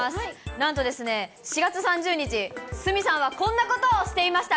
なんとですね、４月３０日、鷲見さんはこんなことをしていました。